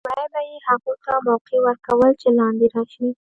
لومړی به یې هغو ته موقع ور کول چې لاندې راشي.